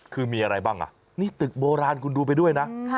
คือมีอะไรบ้างอ่ะนี่ตึกโบราณคุณดูไปด้วยนะ